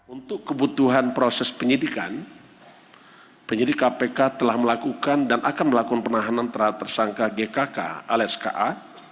untuk kebutuhan proses penyidikan penyidik kpk telah melakukan dan akan melakukan penahanan terhadap tersangka gkk alias ka